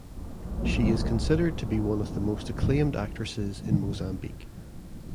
She is considered to be one of the most acclaimed actresses in Mozambique.